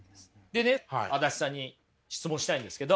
でね足立さんに質問したいんですけど。